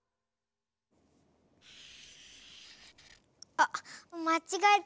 あっまちがえた。